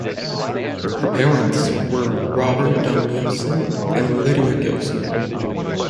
Her parents were Robert Dunn Gilson and Lydia Gilson.